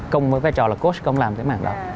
công với vai trò là coach công làm cái mảng đó